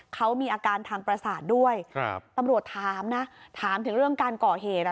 เขามีอาการทางประสาทด้วยครับตำรวจถามนะถามถึงเรื่องการก่อเหตุอ่ะ